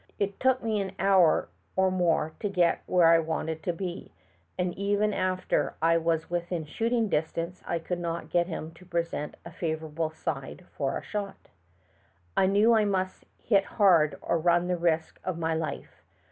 It took me an honr or more to get where I wanted to be, and even after I was within shooting distance I could not get him to present a favorable side for a shot. I knew that I must hit hard or run the risk of my life.